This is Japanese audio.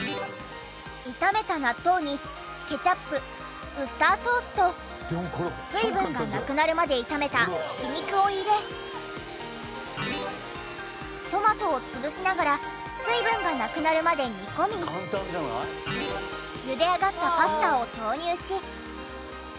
炒めた納豆にケチャップウスターソースと水分がなくなるまで炒めたひき肉を入れトマトを潰しながら水分がなくなるまで煮込み茹であがったパスタを投入しソースと和えれば。